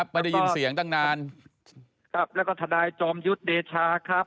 ไม่ได้ยินเสียงตั้งนานครับแล้วก็ทนายจอมยุทธ์เดชาครับ